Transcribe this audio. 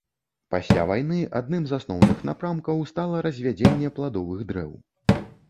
Пасля вайны адным з асноўных напрамкаў стала развядзенне пладовых дрэў.